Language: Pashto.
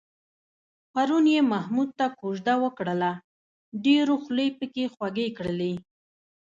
پرون یې محمود ته کوزده وکړله، ډېرو خولې پکې خوږې کړلې.